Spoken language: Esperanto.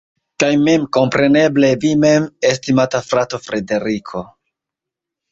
Kaj memkompreneble vi mem, estimata frato Frederiko.